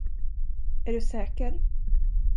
Är du säker?